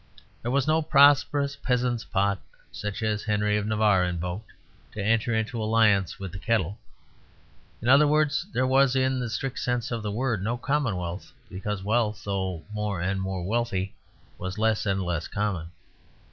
There was no prosperous peasant's pot, such as Henry of Navarre invoked, to enter into alliance with the kettle. In other words, there was in the strict sense of the word no commonwealth, because wealth, though more and more wealthy, was less and less common.